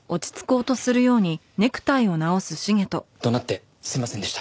怒鳴ってすみませんでした。